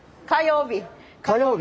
火曜日。